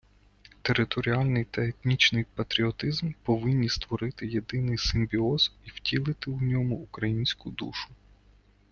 Територіальний та етнічний патріотизм повинні створити єдиний симбіоз і втілити у ньому українську душу